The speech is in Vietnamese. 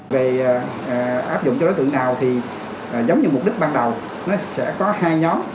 về áp dụng cho đối tượng nào thì giống như mục đích ban đầu nó sẽ có hai nhóm